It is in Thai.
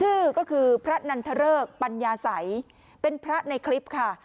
ชื่อก็คือพระนันทเริกปัญญาสัยเป็นพระในคลิปค่ะ